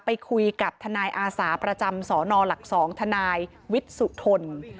ไปคุยกับทนายอาสาประจำสนหลัก๒ทนายวิทย์สุทน